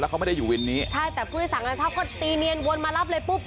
เขาไม่ได้อยู่วินนี้ใช่แต่ผู้โดยสารงานชอบก็ตีเนียนวนมารับเลยปุ๊บ